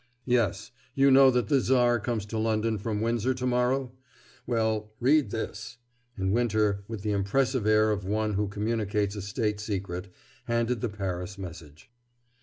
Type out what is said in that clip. "Yes. You know that the Tsar comes to London from Windsor to morrow? Well, read this," and Winter, with the impressive air of one who communicates a state secret, handed the Paris message.